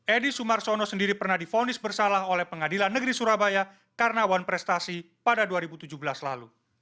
edi sumarsono sendiri pernah difonis bersalah oleh pengadilan negeri surabaya karena wan prestasi pada dua ribu tujuh belas lalu